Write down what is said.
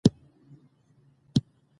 خلک د دې قهرمانۍ ستاینه کوي.